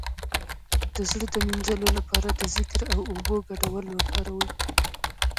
د زړه د مینځلو لپاره د ذکر او اوبو ګډول وکاروئ